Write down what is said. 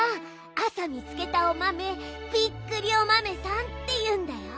あさみつけたおまめびっくりおまめさんっていうんだよ！